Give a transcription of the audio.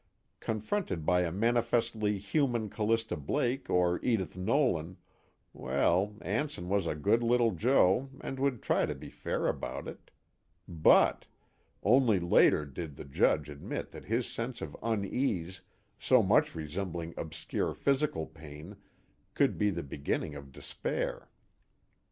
Confronted by a manifestly human Callista Blake or Edith Nolan well, Anson was a good little joe and would try to be fair about it; BUT ... Only later did the Judge admit that his sense of unease, so much resembling obscure physical pain, could be the beginning of despair.